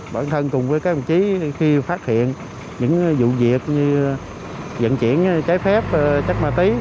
bản thân cùng với các đồng chí khi phát hiện những vụ việc như dẫn chuyển trái phép chất ma túy